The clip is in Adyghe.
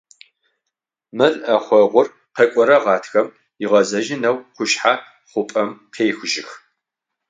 Мэл ӏэхъогъур къэкӏорэ гъатхэм ыгъэзэжьынэу къушъхьэ хъупӏэм къехыжьыгъ.